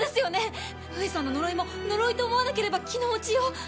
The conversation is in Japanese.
上さんの呪いも呪いと思わなければ気の持ちよう。